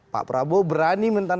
pak prabowo berani mencari